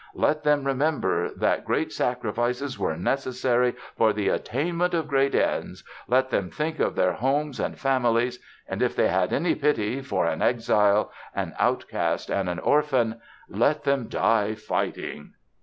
Let them remember that great sacrifices were necessary for the attainment of great ends, let them think of their homes and families, and if they had any pity for an exile, an outcast, and an orphan, let them die fighting."